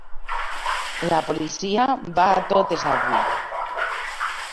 La policia va a totes avui.